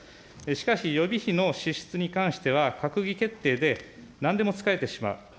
しかし、予備費の支出に関しては閣議決定で何でも使えてしまう。